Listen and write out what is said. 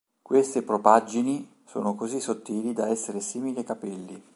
Queste propaggini sono così sottili da essere simili a capelli.